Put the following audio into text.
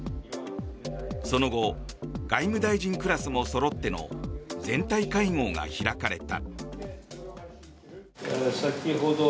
その後外務大臣クラスもそろっての全体会合が開かれた。